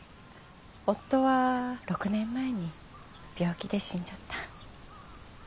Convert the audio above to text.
夫は６年前に病気で死んじゃった。